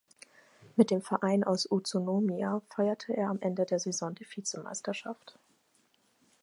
Mit dem Verein aus Utsunomiya feierte er am Ende der Saison die Vizemeisterschaft.